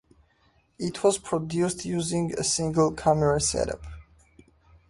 It was produced using a single camera setup.